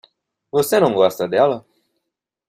Você não gosta dela?